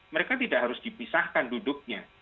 mereka tidak harus dipisahkan duduknya